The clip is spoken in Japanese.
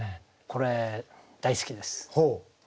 これ大好きです。